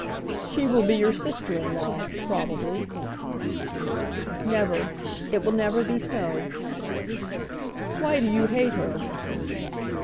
"She will be your sister in law, probably." "Never. It will never be so." "Why do you hate her?"